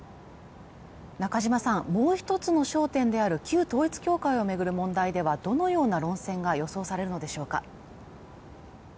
中島さん、もう一つの焦点である旧統一教会を巡る問題ではどのような論戦が予想されるのでしょうか